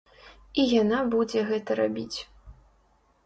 І яна будзе гэта рабіць.